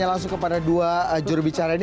saya langsung kepada dua jurubicara ini